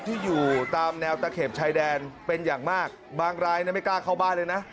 ที่อยู่ตามแนวตะเข็บชายแดนเป็นอย่างมากบางรายไม่กล้าเข้าบ้านเลยนะ